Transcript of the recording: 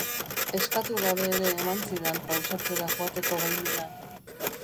Eskatu gabe ere eman zidan pausatzera joateko baimena.